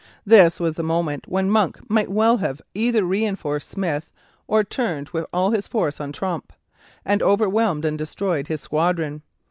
This was the moment when Monk might well have either reinforced Smith, or turned with all his force on Tromp, and overwhelmed and destroyed his squadron.